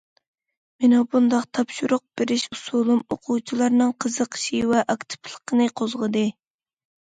مېنىڭ بۇنداق تاپشۇرۇق بېرىش ئۇسۇلۇم، ئوقۇغۇچىلارنىڭ قىزىقىشى ۋە ئاكتىپلىقىنى قوزغىدى.